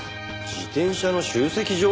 自転車の集積所？